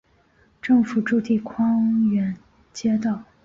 政府驻地匡远街道。